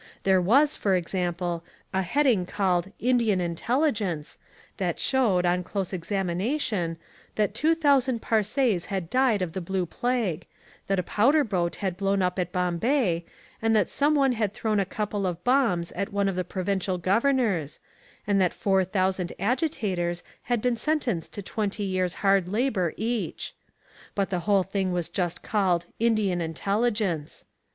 There was, for example, a heading called INDIAN INTELLIGENCE that showed, on close examination, that two thousand Parsees had died of the blue plague, that a powder boat had blown up at Bombay, that some one had thrown a couple of bombs at one of the provincial governors, and that four thousand agitators had been sentenced to twenty years hard labour each. But the whole thing was just called "Indian Intelligence."